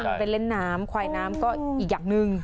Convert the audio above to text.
ไปเล่นน้ำควายน้ำก็อีกอย่างหนึ่ง